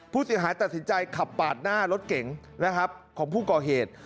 ผู้เสียหายตัดสินใจขับปาดหน้ารถเก๋งนะครับของผู้ก่อเหตุ